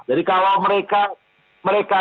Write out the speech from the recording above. jadi kalau mereka